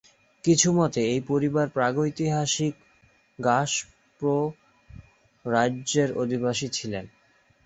কিছু মতে এই পরিবার প্রাগৈতিহাসিক ঙ্গাস-পো রাজ্যের অধিবাসী ছিলেন।